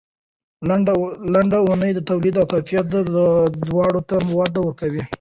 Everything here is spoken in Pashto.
لنډه اونۍ د تولید او کیفیت دواړو ته وده ورکوي.